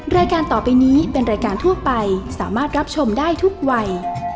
รายการต่อไปนี้เป็นรายการทั่วไปสามารถรับชมได้ทุกวัย